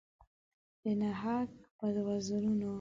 د نګهت په وزرونو